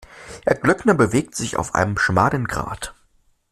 Herr Glöckner bewegt sich auf einem schmalen Grat.